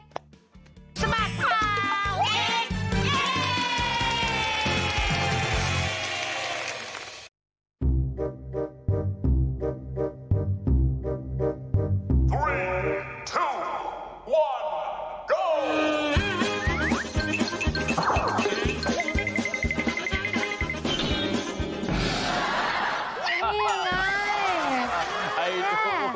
สมัดข่าวเด็ก